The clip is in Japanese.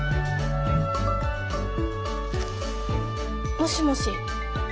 もしもし。